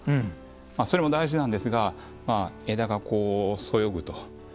それも大事なんですが枝がこうそよぐと。